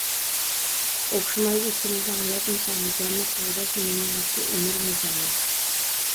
ئوخشىمايدۇ ئىككىمىزنىڭ ھايات نىشانى، جاننى قوغداش مېنىڭدىكى ئۆمۈر مىزانى.